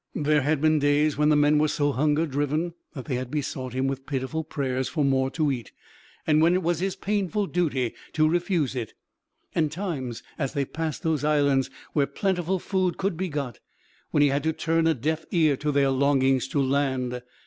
There had been days when the men were so hunger driven that they had besought him with pitiful prayers for more to eat, and when it was his painful duty to refuse it; and times, as they passed those islands where plentiful food could be got, when he had to turn a deaf ear to their longings to land.